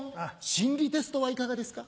心理テストはいかがですか？